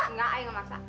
enggak ayah yang maksa